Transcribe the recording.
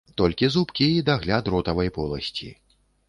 Толькі зубкі і дагляд ротавай поласці.